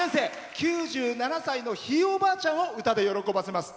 ９７歳のひいおばあちゃんを歌で喜ばせます。